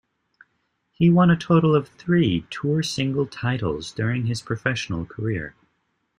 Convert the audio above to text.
He won a total of three tour singles titles during his professional career.